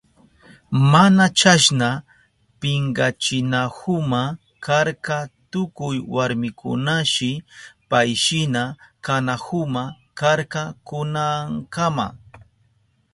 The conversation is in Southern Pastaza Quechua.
Mana chasna pinkachinahuma karka tukuy warmikunashi payshina kanahuma karka kunankama.